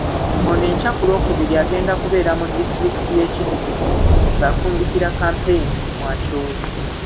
Ono enkya ku Lwokubiri agenda kubeera mu disitulikiti y'e Kitgum ng'afundikira kampeyini mu Acholi.